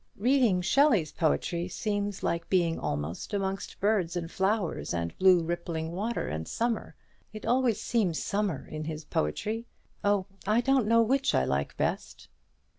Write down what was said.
"Reading Shelley's poetry seems like being amongst birds and flowers and blue rippling water and summer. It always seems summer in his poetry. Oh, I don't know which I like best."